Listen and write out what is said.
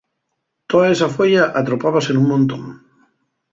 Toa esa fueya atropábase nun montón.